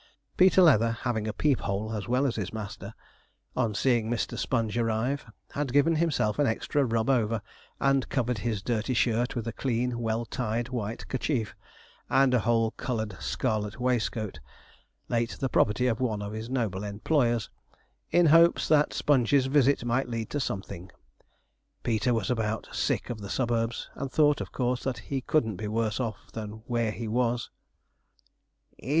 Peter Leather, having a peep hole as well as his master, on seeing Mr. Sponge arrive, had given himself an extra rub over, and covered his dirty shirt with a clean, well tied, white kerchief, and a whole coloured scarlet waistcoat, late the property of one of his noble employers, in hopes that Sponge's visit might lead to something. Peter was about sick of the suburbs, and thought, of course, that he couldn't be worse off than where he was.